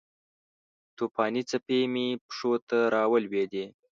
توپانې څپې مې پښو ته راولویدې